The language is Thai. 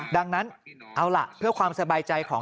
ดังนั้นเอาล่ะเพื่อความสบายใจของ